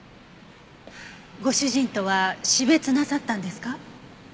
ご主人とは死別なさったんですか？